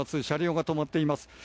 車両が止まっています。